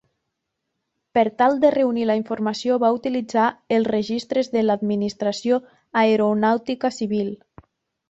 Per tal de reunir la informació va utilitzar els registres de l'Administració Aeronàutica Civil.